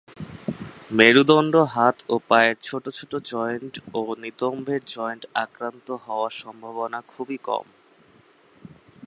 মেরুদণ্ড, হাত ও পায়ের ছোট ছোট জয়েন্ট ও নিতম্বের জয়েন্ট আক্রান্ত হওয়ার সম্ভাবনা খুবই কম।